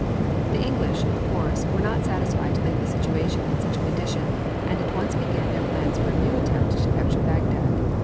The English, of course, were not satisfied to leave the situation in such a condition, and at once began their plans for a new attempt to capture Bagdad.